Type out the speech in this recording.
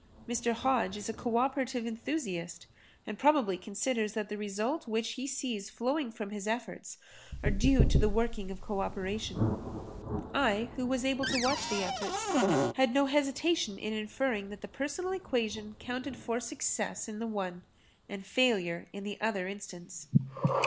Mr. Hodge is a co operative enthusiast and probably considers that the result which he sees flowing from his efforts are due to the working of co operation. I, who was able to watch the efforts, had no hesitation in inferring that the personal equation counted for success in the one and failure in the other instance.